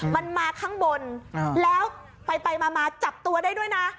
มันมาข้างบนแล้วไปมาจับตัวได้ด้วยนะ